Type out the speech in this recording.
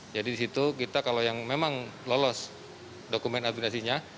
jadi di situ kita kalau yang memang lolos dokumen